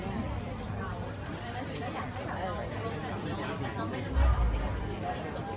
หรือว่าจะเจ็บช้ำกับสิ่งอื่นหรือหรือไม่หรือ